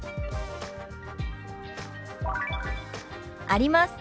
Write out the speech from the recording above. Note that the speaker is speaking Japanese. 「あります」。